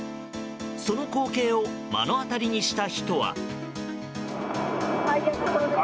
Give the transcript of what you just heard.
その光景を目の当たりにした人は。